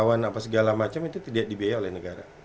gaji karyawan apa segala macam itu tidak dibiayai oleh negara